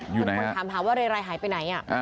คนถามหาว่าเรไรหายไปไหน